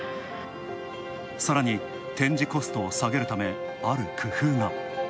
さらに展示コストを下げるため、ある工夫が。